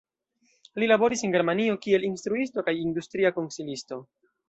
Li laboris en Germanio kiel instruisto kaj industria konsilisto.